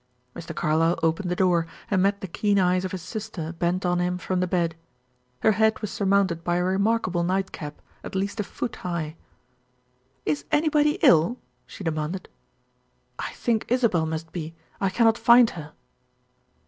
Mr. Carlyle opened the door, and met the keen eyes of his sister bent on him from the bed. Her head was surmounted by a remarkable nightcap, at least a foot high. "Is anybody ill?" she demanded. "I think Isabel must be, I cannot find her."